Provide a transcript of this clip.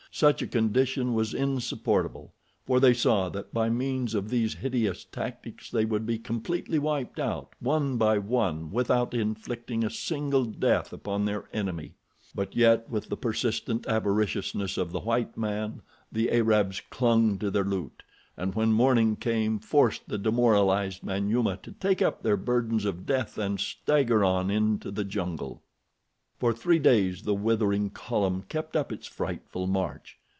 Such a condition was insupportable, for they saw that by means of these hideous tactics they would be completely wiped out, one by one, without inflicting a single death upon their enemy. But yet, with the persistent avariciousness of the white man, the Arabs clung to their loot, and when morning came forced the demoralized Manyuema to take up their burdens of death and stagger on into the jungle. For three days the withering column kept up its frightful march.